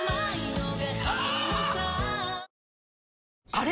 あれ？